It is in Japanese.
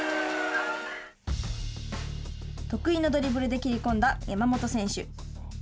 得意のドリブルで切り込んだ山本選手。